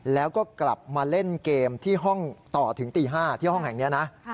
แล้วก็กลับมาเล่นเกมที่ห้องต่อถึงตี๕ที่ห้องแห่งนี้นะ